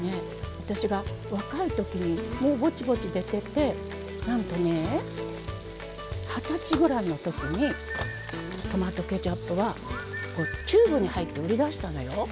私が若い時にもうぼちぼち出ててなんとね二十歳ぐらいの時にトマトケチャップはチューブに入って売り出したのよ。